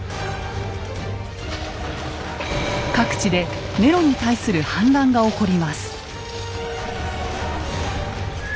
各地でネロに対する反乱が起こります。